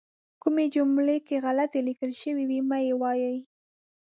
کومې جملې که غلطې لیکل شوي وي مه یې وایئ.